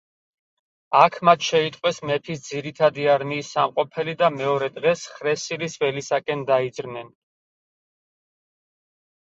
აქ მათ შეიტყვეს მეფის ძირითადი არმიის სამყოფელი და მეორე დღეს ხრესილის ველისაკენ დაიძრნენ.